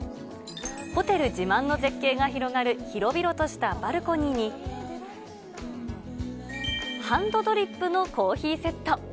ホテル自慢の絶景が広がる広々としたバルコニーに、ハンドドリップのコーヒーセット。